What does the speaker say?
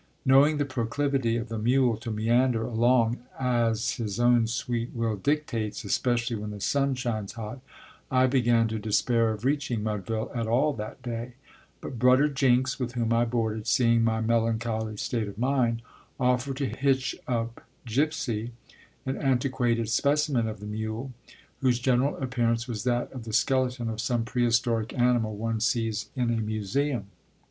Knowing the proclivity of the mule to meander along as his own sweet will dictates, especially when the sun shines hot, I began to despair of reaching Mudville at all that day; but "Brudder" Jinks, with whom I boarded, seeing my melancholy state of mind, offered to hitch up Gypsy, an antiquated specimen of the mule, whose general appearance was that of the skeleton of some prehistoric animal one sees in a museum.